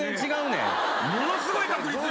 ものすごい確率よ。